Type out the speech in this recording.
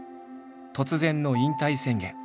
突然の引退宣言。